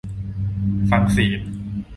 ฟังศีล